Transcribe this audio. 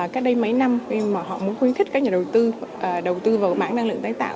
các đây mấy năm khi mà họ muốn khuyến khích các nhà đầu tư vào mạng năng lượng tái tạo